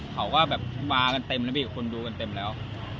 เขาก็แบบมากันเต็มแล้วมีคนดูกันเต็มแล้ว